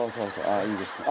ああいいですね。